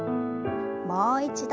もう一度。